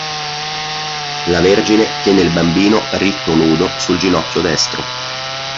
La Vergine tiene il Bambino ritto nudo sul ginocchio destro.